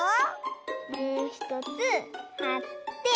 もうひとつはって。